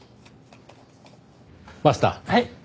はい。